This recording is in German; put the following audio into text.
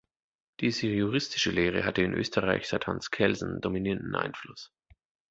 Diese juristische Lehre hatte in Österreich seit Hans Kelsen dominierenden Einfluss.